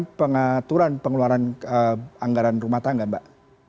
untuk pengaturan pengeluaran anggaran rumah tangga mbak